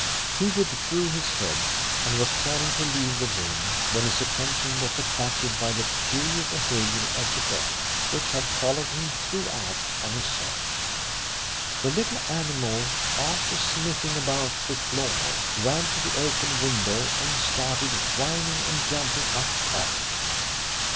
He withdrew his head and was turning to leave the room when his attention was attracted by the peculiar behaviour of the dog, which had followed him throughout on his search. The little animal, after sniffing about the floor, ran to the open window and started whining and jumping up at it.